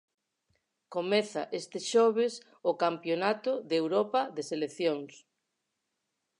Comeza este xoves o campionato de Europa de seleccións.